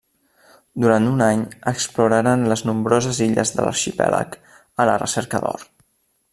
Durant un any exploraren les nombroses illes de l'arxipèlag a la recerca d'or.